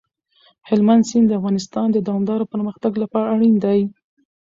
هلمند سیند د افغانستان د دوامداره پرمختګ لپاره اړین دی.